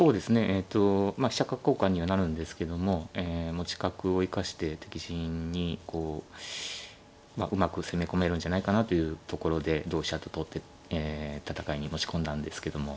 えとまあ飛車角交換にはなるんですけども持ち角を生かして敵陣にこううまく攻め込めるんじゃないかなというところで同飛車と取って戦いに持ち込んだんですけども。